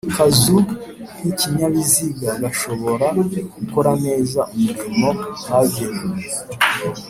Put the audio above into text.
kazu k'ikinyabiziga gashobora gukora neza umurimo kagenewe